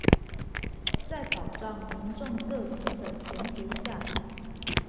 在保障民眾個資的前提下